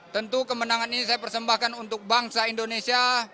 tentu kemenangan ini saya persembahkan untuk bangsa indonesia